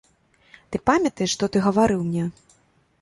Ты памятаеш, што ты гаварыў мне?